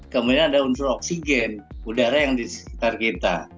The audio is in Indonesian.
kemudian ada unsur oksigen udara yang di sekitar kita